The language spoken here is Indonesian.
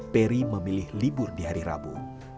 peri memilih libur di hari rabu